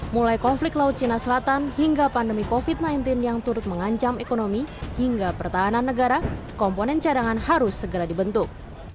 mulai konflik laut cina selatan hingga pandemi covid sembilan belas yang turut mengancam ekonomi hingga pertahanan negara komponen cadangan harus segera dibentuk